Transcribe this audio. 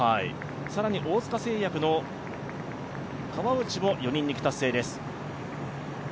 更に大塚製薬の川内も４人抜き達成です。